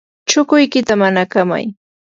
chukuykita manakamay.